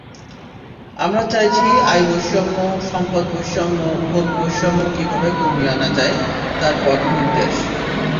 আমরা চাইছি আয়বৈষম্য, সম্পদবৈষম্য, ভোগবৈষম্য কীভাবে কমিয়ে আনা যায়, তার পথনির্দেশ।